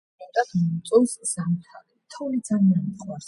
ყველაზე მეტად მომწონს ზამთარი, თოვლი ძალიან მიყვარს